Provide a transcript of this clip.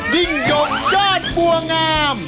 ดิ้งยมยาดบัวงาม